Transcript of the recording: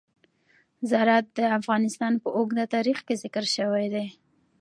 زراعت د افغانستان په اوږده تاریخ کې ذکر شوی دی.